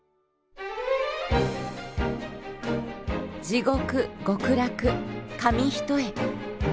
地獄極楽紙一重。